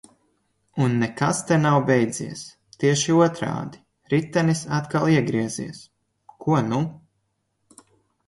Un nekas te nav beidzies – tieši otrādi – ritenis atkal iegriezies. Ko nu?